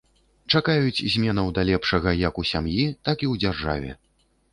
Чакаюць зменаў да лепшага як у сям'і, так і ў дзяржаве.